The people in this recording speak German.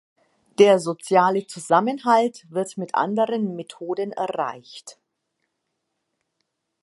Der soziale Zusammenhalt wird mit anderen Methoden erreicht.